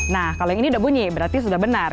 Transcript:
nah kalau ini sudah bunyi berarti sudah benar